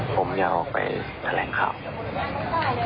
ผมอยากไปแสดงข่าว